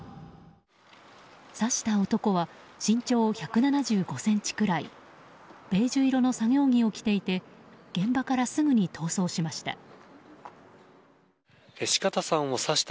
刺した男は身長１７５ｃｍくらいベージュ色の作業着を着ていて現場からすぐに逃走しました。